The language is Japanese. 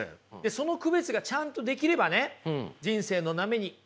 その区別がちゃんとできればね人生の波にうまく乗ってですね